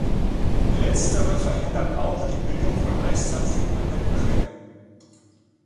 Letztere verhindert auch die Bildung von Eiszapfen an der Dachrinne.